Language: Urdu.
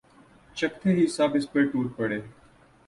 چکھتے ہی سب اس پر ٹوٹ پڑے